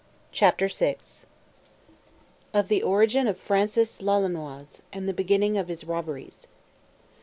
CHAPTER VI _Of the origin of Francis Lolonois, and the beginning of his robberies.